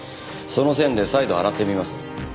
その線で再度洗ってみます。